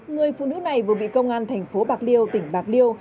người phụ nữ này vừa bị công an tp bạc liêu tỉnh bạc liêu